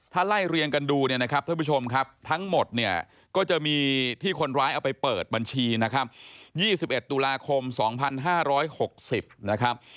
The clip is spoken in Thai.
ถ้าไล่เรียงกันดูเนี่ยนะครับท่านผู้ชมครับทั้งหมดเนี่ยก็จะมีที่คนร้ายเอาไปเปิดบัญชีนะครับ๒๑ตุลาคม๒๕๖๐นะครับ